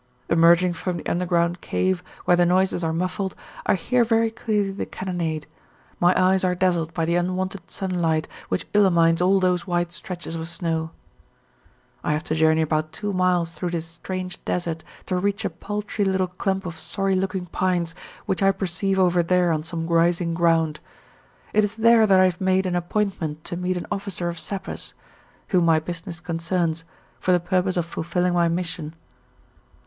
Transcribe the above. Emerging from the underground cave, where the noises are muffled, I hear very clearly the cannonade; my eyes are dazzled by the unwonted sunlight which illumines all those white stretches of snow. I have to journey about two miles through this strange desert to reach a paltry little clump of sorry looking pines which I perceive over there on some rising ground. It is there that I have made an appointment to meet an officer of sappers, whom my business concerns, for the purpose of fulfilling my mission.